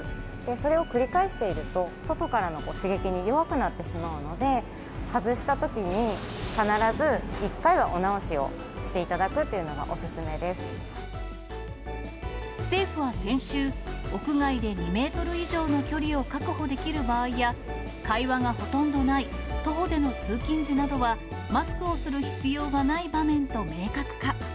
それを繰り返していると、外からの刺激に弱くなってしまうので、外したときに必ず１回はお直しをしていただくというのがお勧めで政府は先週、屋外で２メートル以上の距離を確保できる場合や、会話がほとんどない徒歩での通勤時などは、マスクをする必要がない場面と明確化。